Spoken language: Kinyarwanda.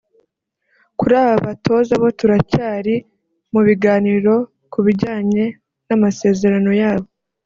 Kuri aba batoza bo turacyari mu biganiro ku bijyanye n’amasezerano yabo